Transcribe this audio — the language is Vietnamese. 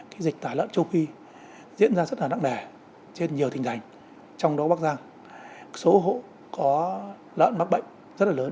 cái dịch tả lợn châu phi diễn ra rất là nặng đẻ trên nhiều tình thành trong đó bắc giang số hộ có lợn mắc bệnh rất là lớn